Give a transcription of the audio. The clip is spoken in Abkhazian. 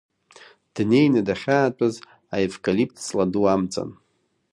Днеины дахьаатәаз аевкалипт ҵладу амҵан…